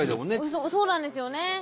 そうなんですよね。